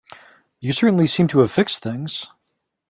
You certainly seem to have fixed things.